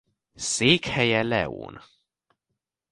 Székhelye León.